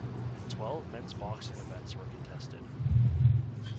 Twelve men's boxing events were contested.